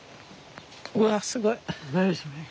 うわすごい。